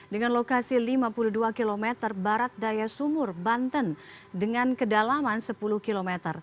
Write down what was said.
dengan lokasi lima puluh dua km barat daya sumur banten dengan kedalaman sepuluh km